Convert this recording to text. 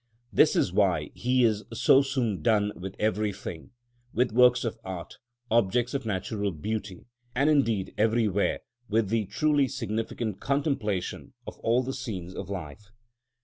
This is why he is so soon done with everything, with works of art, objects of natural beauty, and indeed everywhere with the truly significant contemplation of all the scenes of life.